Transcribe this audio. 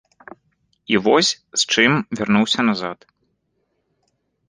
І вось з чым вярнуўся назад.